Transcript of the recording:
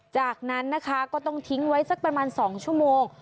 จากนั้นนะคะก็ต้องทิ้งไว้สักประมาณ๒ชั่วโมง